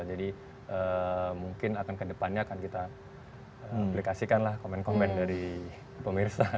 jadi mungkin akan kedepannya akan kita aplikasikan lah comment comment dari pemirsa